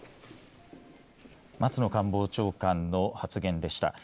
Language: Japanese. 松野官房長官の発言でした。